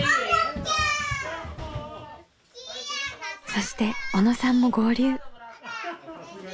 そして小野さんも合流。